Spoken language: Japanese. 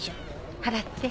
払って。